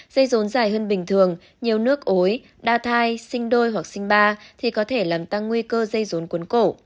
với đa thai sinh đôi hoặc sinh ba thì có thể làm tăng nguy cơ dây rốn cuốn cổ